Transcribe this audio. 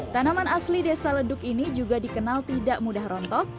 tanaman asli desa leduk ini juga dikenal tidak mudah rontok